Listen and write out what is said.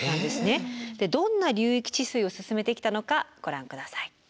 でどんな流域治水を進めてきたのかご覧ください。